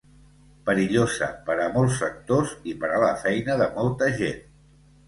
Perillosa per a molts sectors i per a la feina de molta gent.